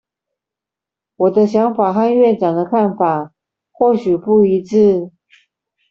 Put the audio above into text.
我的想法和院長的看法或許不一致